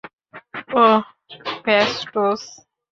ওহ, ফ্যাস্টোস!